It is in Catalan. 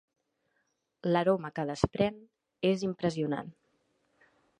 L'aroma que desprèn és impressionant.